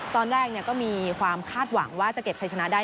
ตอนแรกก็มีความคาดหวังว่าจะเก็บชัยชนะได้